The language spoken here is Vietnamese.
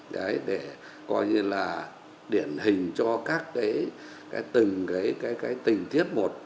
đấy để coi như là điển hình cho các cái tình tiết một